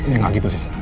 ya gak gitu sih sa